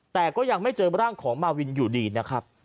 แต่ก็ยังไม่เจอร่างของมาวินอยู่ดีนะครับ